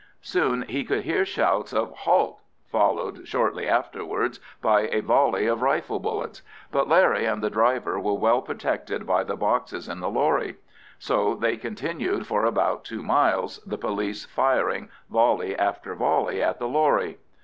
Soon he could hear shouts of halt, followed shortly afterwards by a volley of rifle bullets, but Larry and the driver were well protected by the boxes on the lorry. So they continued for about two miles, the police firing volley after volley at the lorry.